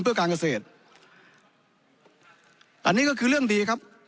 เพื่อการเกษตรอันนี้ก็คือเรื่องดีครับ